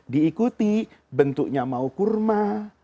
diikuti bentuknya mau kurma